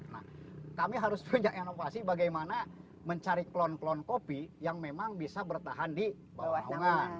nah kami harus punya inovasi bagaimana mencari klon klon kopi yang memang bisa bertahan di bawah sungai